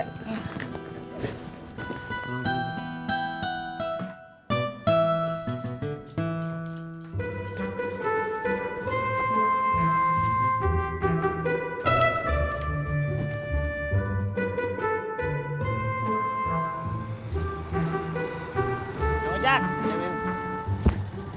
saya durang uang kesini